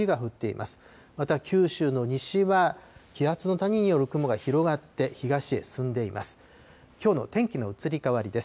また、九州の西は気圧の谷による雲が広がって、東へ進んでいます。